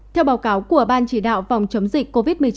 theo báo cáo của ban chỉ đạo phòng chống dịch covid một mươi chín